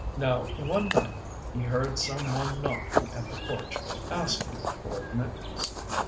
Now one night he heard some one knocking at the porch, asking for admittance.